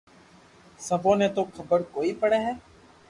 سبو ني تو خبر ڪوئي پڙي ھي